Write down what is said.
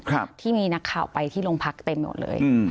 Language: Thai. ครับที่มีนักข่าวไปที่โรงพักเต็มหมดเลยอืม